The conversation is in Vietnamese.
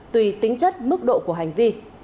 tùy tính chất mức độ của hành vi